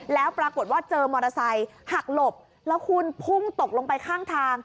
แล้วปรากฏว่าเจอมอเตอร์ไซค์หักหลบแล้วคุณพุ่งตกลงไปข้างทาง